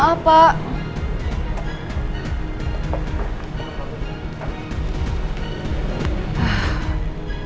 aku mau pulang